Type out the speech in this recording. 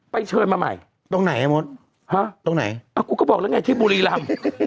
ไปเชิญมาใหม่ตรงไหนฮะตรงไหนอ่ะกูก็บอกแล้วไงที่บุรีรัม